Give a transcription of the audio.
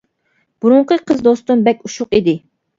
-بۇرۇنقى قىز دوستۇم بەك ئۇششۇق ئىدى.